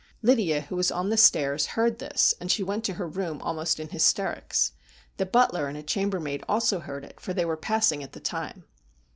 Lydia, who was on the stairs, heard this, and she went to her room almost in hysterics. The butler and a chambermaid also heard it, for they were passing at the time.